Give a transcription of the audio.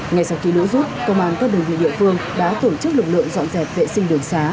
ngay sau khi lũ rút công an các đơn vị địa phương đã tổ chức lực lượng dọn dẹp vệ sinh đường xá